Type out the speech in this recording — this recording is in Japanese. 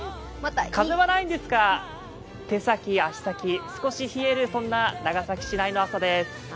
風はないんですが、手先、足先、少し冷える、そんな長崎市内の朝です。